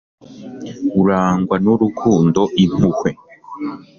urangwa n'urukundo, impuhwe